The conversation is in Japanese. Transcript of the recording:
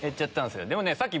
でもさっき。